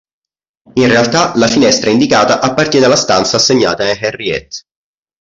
In realtà la finestra indicata appartiene alla stanza assegnata a Henriette.